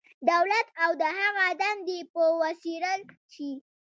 دولت او د هغه دندې به وڅېړل شي.